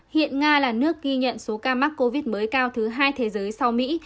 hiện nga là nước ghi nhận số ca mắc covid mới cao thứ hai thế giới sau mỹ